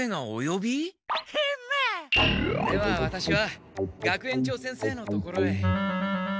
ではワタシは学園長先生のところへ。